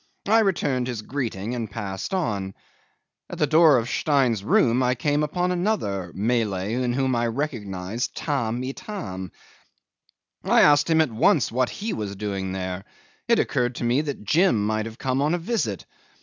I returned his greeting and passed on. At the door of Stein's room I came upon another Malay in whom I recognised Tamb' Itam. 'I asked him at once what he was doing there; it occurred to me that Jim might have come on a visit.